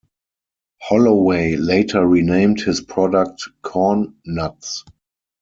Holloway later renamed his product CornNuts.